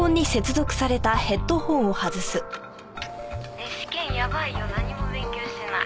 「ねえ試験やばいよ何も勉強してない」